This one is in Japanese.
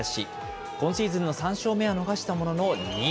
今シーズンの３勝目は逃したものの２位。